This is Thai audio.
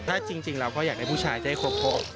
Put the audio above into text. ถ้าจริงเราก็อยากให้ผู้ชายได้ครบ